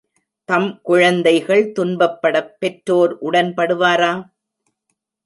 தம் குழந்தைகள் துன்பப்படப் பெற்றோர் உடன் படுவரா?